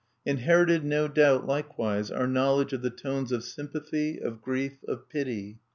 Inherited, no doubt, likewise, our knowledge of the tones of sympathy, of grief, of pity.